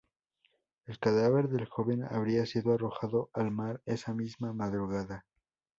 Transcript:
El cadáver del joven habría sido arrojado al mar esa misma madrugada.